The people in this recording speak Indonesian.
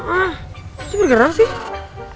ah bergerak sih